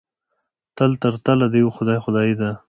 تل تر تله د یوه خدای خدایي ده.